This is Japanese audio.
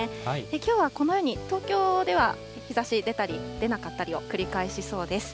きょうはこのように、東京では日ざし出たり、出なかったりを繰り返しそうです。